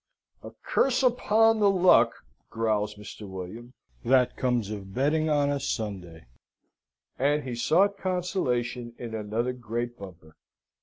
"A curse upon the luck!" growls Mr. William; "that comes of betting on a Sunday," and he sought consolation in another great bumper.